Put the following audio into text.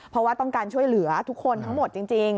เพราะว่าต้องการช่วยเหลือทุกคนทั้งหมดจริง